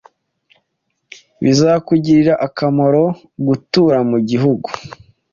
Bizakugirira akamaro gutura mu gihugu.